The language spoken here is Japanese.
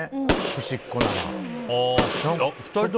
ふしっこなら。